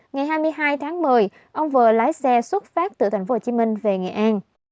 ngày hai mươi hai tháng một mươi ông vừa lái xe xuất phát từ tp hcm về nghệ an